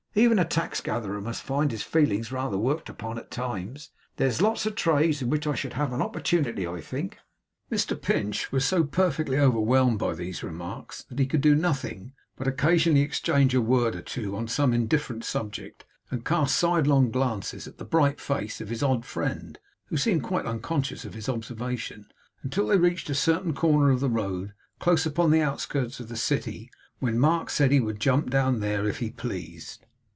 Even a tax gatherer must find his feelings rather worked upon, at times. There's lots of trades in which I should have an opportunity, I think.' Mr Pinch was so perfectly overwhelmed by these remarks that he could do nothing but occasionally exchange a word or two on some indifferent subject, and cast sidelong glances at the bright face of his odd friend (who seemed quite unconscious of his observation), until they reached a certain corner of the road, close upon the outskirts of the city, when Mark said he would jump down there, if he pleased.